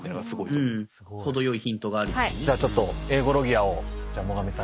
じゃあちょっと「英語ロギア」をじゃあ最上さんに。